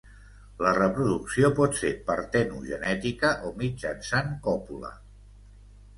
La reproducció pot ser partenogenètica o mitjançant còpula.